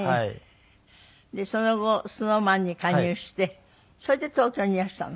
その後ＳｎｏｗＭａｎに加入してそれで東京にいらしたの？